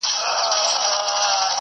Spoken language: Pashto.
قلمي خط د ګرامر په زده کړه کي مرسته کوي.